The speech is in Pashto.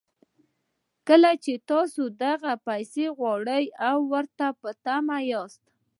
کله چې تاسې دغه پيسې غواړئ او ورته په تمه ياست.